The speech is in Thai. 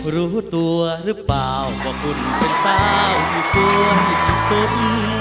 รู้ตัวหรือเปล่าว่าคุณเป็นสาวที่สวยที่สุด